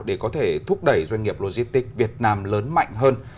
để có thể thúc đẩy doanh nghiệp lôi stick việt nam lớn mạnh hơn